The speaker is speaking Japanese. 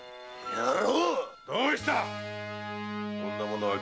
野郎！